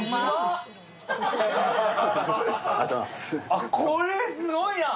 あっ、これすごいやん！